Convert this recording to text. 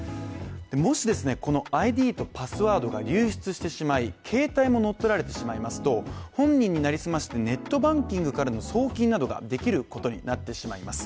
もしこのＩＤとパスワードが流出してしまい、携帯も乗っ取られてしまいますと、本人に成り済ましてネットバンキングからの送金などができることになってしまいます。